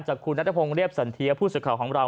คุณนัทพงศ์เรียบสันเทียผู้สื่อข่าวของเรา